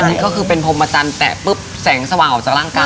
อันนี้ก็คือเป็นพรมจันทร์แตะปุ๊บแสงสว่างออกจากร่างกาย